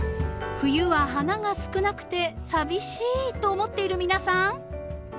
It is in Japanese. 冬は花が少なくて寂しいと思っている皆さん忘れていませんか？